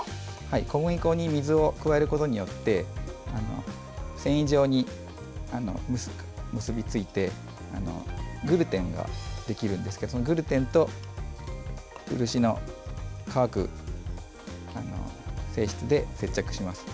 小麦粉に水を加えることで繊維状に結びついてグルテンができるんですけどもグルテンと漆の乾く性質で接着します。